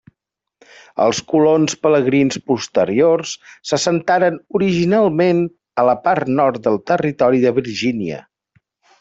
Els colons pelegrins posteriors s'assentaren originalment a la part nord del territori de Virgínia.